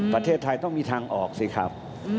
ประเทศไทยต้องมีทางออกสิครับ